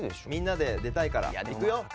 みんなで出たいからいくよ。